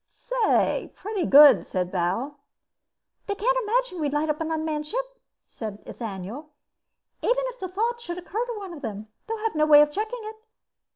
"Say, pretty good," said Bal. "They can't imagine that we'd light up an unmanned ship," said Ethaniel. "Even if the thought should occur to them they'll have no way of checking it.